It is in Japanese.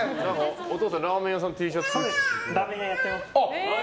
お父さんラーメン屋さんのＴシャツで。